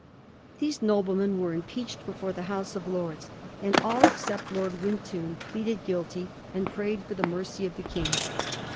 These noblemen were impeached before the House of Lords, and all, except Lord Wintoun, pleaded guilty, and prayed for the mercy of the King.